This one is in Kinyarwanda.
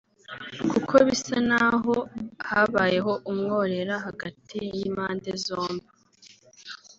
Kuko bisa n’aho habayeho umworera hagati y’impande zombi